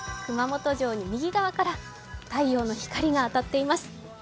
熊本城の右側から太陽の光が当たっています。